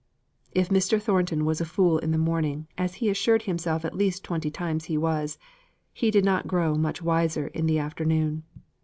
If Mr. Thornton was a fool in the morning, as he assured himself at least twenty times he was, he did not grow much wiser in the afternoon.